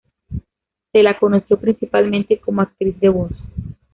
Se la conoció principalmente como actriz de voz.